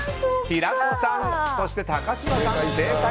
平子さん、そして高嶋さん正解！